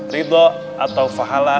ridha atau pahala